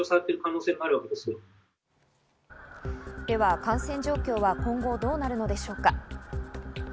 では感染状況は今後どうなるのでしょうか？